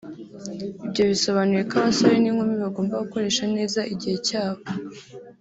Ibyo bisobanuye ko abasore n’inkumi bagomba gukoresha neza igihe cyabo